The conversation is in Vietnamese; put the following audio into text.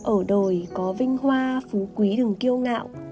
ở đồi có vinh hoa phú quý đừng kêu ngạo